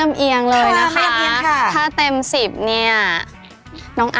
ก็เนียนว่ะค่ะพี่เบล